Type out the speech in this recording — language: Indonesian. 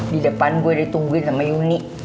di depan gue ditungguin sama yuni